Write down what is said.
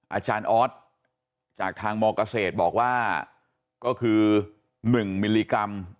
อาจารย์ออสจากทางมเกษตรบอกว่าก็คือ๑มิลลิกรัม